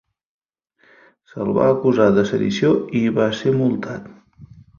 Se'l va acusar de sedició i va ser multat.